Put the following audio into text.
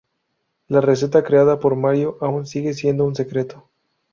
La receta, creada por Mario, aún sigue siendo un secreto.